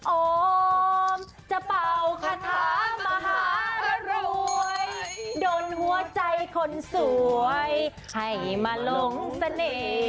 โอมจะเป่าคาถามหารวยโดนหัวใจคนสวยให้มาหลงเสน่ห์